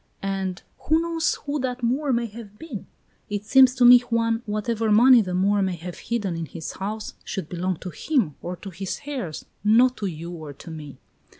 "And who knows who that Moor may have been? It seems to me, Juan, whatever money the Moor may have hidden in his house should belong to him, or to his heirs, not to you or to me."